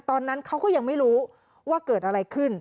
ตอนนั้นเขาก็ยังไม่รู้ว่าเกิดอะไรขึ้น